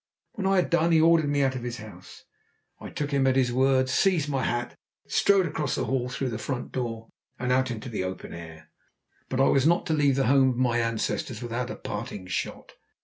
When I had done he ordered me out of his house. I took him at his word, seized my hat, and strode across the hall through the front door, and out into the open air. But I was not to leave the home of my ancestors without a parting shot.